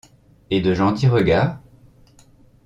et de gentils regards ?